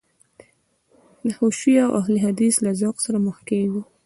د حشویه او اهل حدیث له ذوق سره مخ کېږو.